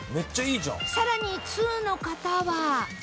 さらに通の方は